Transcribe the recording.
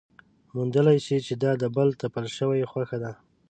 موندلی شي چې دا د بل تپل شوې خوښه ده.